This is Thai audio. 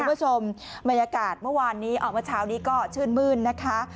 คุณผู้ชมบรรยากาศเมื่อวานนี้ออกมาเช้านี้ก็ชื่นมื้นนะคะ